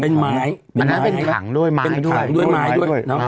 เป็นถังด้วยไม้ด้วย